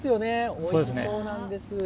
おいしそうなんです。